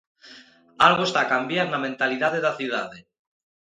Algo está a cambiar na mentalidade da cidade.